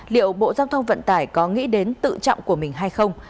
liệu bộ giao thông vận tải có nghĩ đến tự trọng của mình hay không